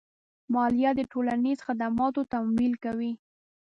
مالیه د ټولنیزو خدماتو تمویل کوي.